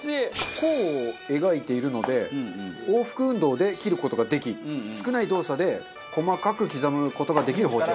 弧を描いているので往復運動で切る事ができ少ない動作で細かく刻む事ができる包丁。